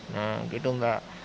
nah gitu mbak